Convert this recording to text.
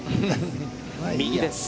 右です。